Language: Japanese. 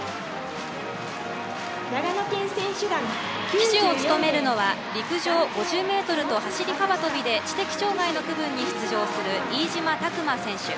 旗手を務めるのは陸上５０ｍと走り幅跳びで知的障害の区分に出場する飯島琢磨選手。